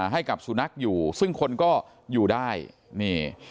ให้กับสุนัขอยู่ซึ่งคนก็อยู่ได้นี่